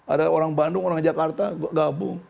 ada orang bandung orang jakarta gabung